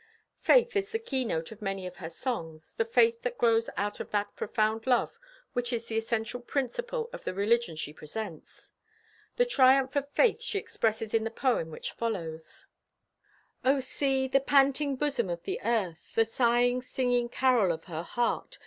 Faith is the keynote of many of her songs, the faith that grows out of that profound love which is the essential principle of the religion she presents. The triumph of faith she expresses in the poem which follows: O sea! The panting bosom of the Earth; The sighing, singing carol of her heart!